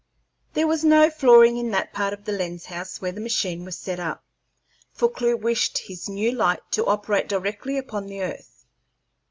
There was no flooring in that part of the lens house where the machine was set up, for Clewe wished his new light to operate directly upon the earth.